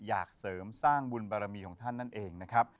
อยากเสริมสร้างบุญบารมีของท่านนั่นเองนะครับ